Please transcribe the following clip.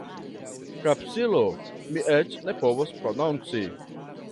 Kapsiko... mi eĉ ne povas prononci.